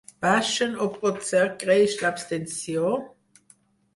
Baixen o potser creix l’abstenció?